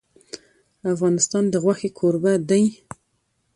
افغانستان د غوښې کوربه دی.